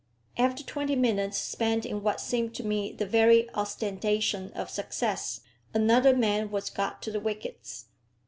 After twenty minutes spent in what seemed to me the very ostentation of success, another man was got to the wickets.